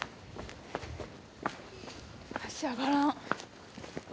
足上がらん。